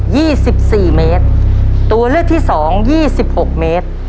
ี่สิบสี่เมตรตัวเลือกที่สองยี่สิบหกเมตร